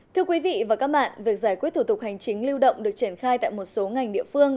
thưa quý vị và các bạn việc giải quyết thủ tục hành chính lưu động được triển khai tại một số ngành địa phương